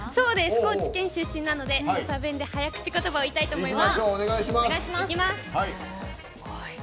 高知出身なので土佐弁で早口言葉を言いたいと思います。